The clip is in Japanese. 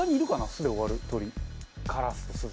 スで終わる鳥。